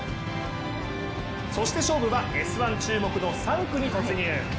そして勝負は「Ｓ☆１」注目の３区に突入。